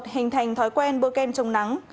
một hình thành thói quen bôi kem chống nắng